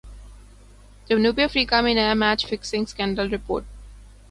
جنوبی افریقہ میں نیا میچ فکسنگ سکینڈل رپورٹ